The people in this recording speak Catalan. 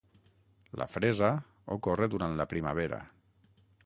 La fresa ocorre durant la primavera.